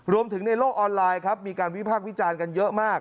รวมถึงในโลกออนไลน์ครับมีการวิภาควิจารณ์กันเยอะมาก